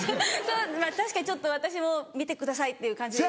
確かにちょっと私も見てくださいっていう感じで。